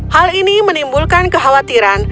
hal ini menimbulkan kekhawatiran